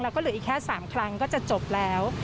แล้วก็เหลืออีกแค่๓ครั้งก็จะจบแล้ว